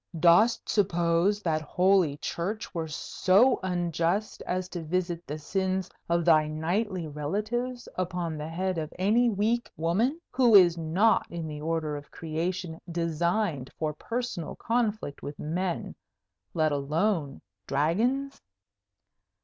Dost suppose that Holy Church were so unjust as to visit the sins of thy knightly relatives upon the head of any weak woman, who is not in the order of creation designed for personal conflict with men, let alone dragons?"